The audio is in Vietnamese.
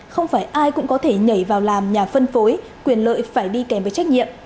không phải ai cũng có thể nhảy vào làm nhà phân phối quyền lợi phải đi kèm với trách nhiệm